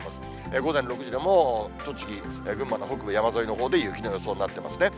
午前６時でもう栃木、群馬の北部、山沿いのほうで雪の予想になってますね。